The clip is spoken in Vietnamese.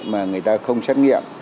mà người ta không xét nghiệm